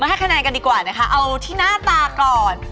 ให้คะแนนกันดีกว่านะคะเอาที่หน้าตาก่อน